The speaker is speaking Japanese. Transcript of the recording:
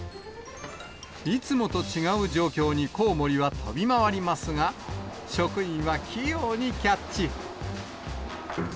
いつもと違う状況にコウモリは飛び回りますが、職員は器用にキャッチ。